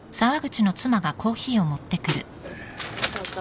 どうぞ。